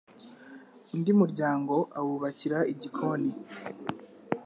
undi muryango awubakira igikoni